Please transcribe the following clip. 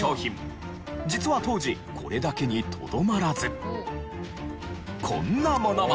実は当時これだけにとどまらずこんなものも。